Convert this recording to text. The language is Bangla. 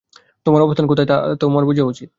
তোর অবস্থান কোথায় তা তোর বোঝা উচিত।